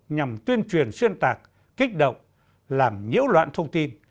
nhằm tuyên truyền xuyên tạc kích động làm nhiễu loạn thông tin